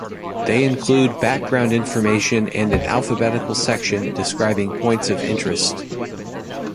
They include background information and an alphabetical section describing points of interest.